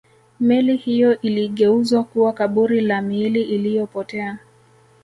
meli hiyo iligeuzwa kuwa kaburi la miili iliyopotea